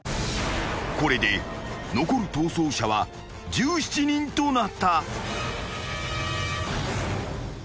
［これで残る逃走者は１７人となった］